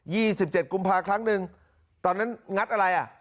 ี่สิบเจ็ดกุมภาคครั้งหนึ่งตอนนั้นงัดอะไรอ่ะ